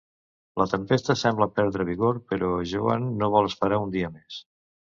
La tempesta sembla perdre vigor, però Joan no vol esperar un dia més.